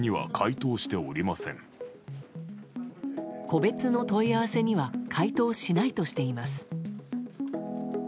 個別の問い合わせには回答しないとしています。